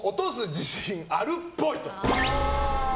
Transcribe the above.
自信あるっぽい。